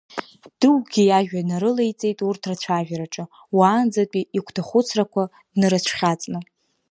Дыгәгьы иажәа нарылеиҵеит урҭ рцәажәараҿы, уаанӡзатәи игәҭахәыцрақәа днарыцәхьаҵны.